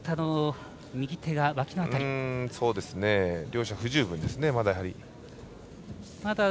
両者不十分ですね、まだ。